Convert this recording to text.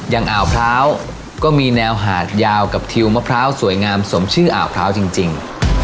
อ่าวพร้าวก็มีแนวหาดยาวกับทิวมะพร้าวสวยงามสมชื่ออ่าวพร้าวจริง